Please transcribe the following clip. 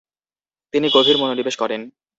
তিনি গভীর মনোনিবেশ করেন।